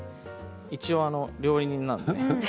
一応、料理人なので。